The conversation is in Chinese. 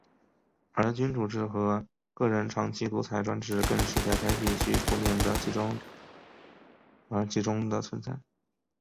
而君主制和个人长期独裁专制更是在该地区普遍而集中地存在。